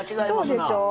そうでしょう。